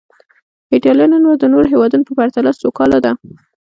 ایټالیا نن ورځ د نورو هېوادونو په پرتله سوکاله ده.